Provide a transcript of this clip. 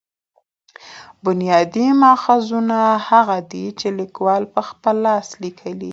بنیادي ماخذونه هغه دي، چي لیکوال په خپل لاس لیکلي يي.